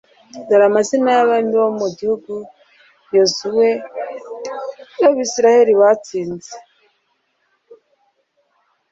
dore amazina y'abami bo mu gihugu yozuwe n'abayisraheli batsinze